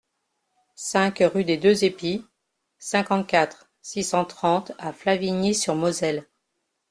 cinq rue des Deux Épis, cinquante-quatre, six cent trente à Flavigny-sur-Moselle